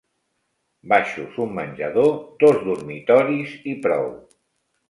Baixos, un menjador, dos dormitoris, i prou